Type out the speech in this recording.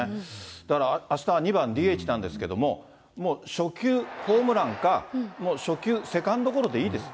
だから、あした２番ＤＨなんですけれども、もう、初球ホームランか、もう初球セカンドゴロでいいです。